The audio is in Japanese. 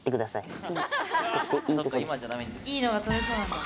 いいのが撮れそうなんだ。